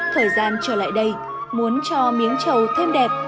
thời gian trở lại đây muốn cho miếng trầu thêm đẹp